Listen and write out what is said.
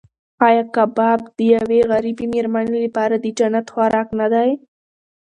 ایا کباب د یوې غریبې مېرمنې لپاره د جنت خوراک نه دی؟